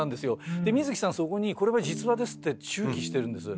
で水木さんそこにこれは実話ですって注記してるんです。